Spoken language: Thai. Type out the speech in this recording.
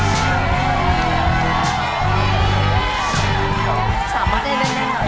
ของแม่จริงนะครับ